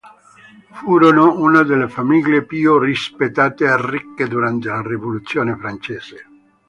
Furono una delle famiglie più rispettate e ricche durante la Rivoluzione francese.